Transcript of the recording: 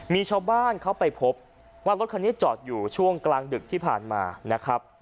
มีชาวบ้านเขาไปพบว่ารถคันนี้จอดอยู่ช่วงกลางดึกที่ผ่านมานะครับ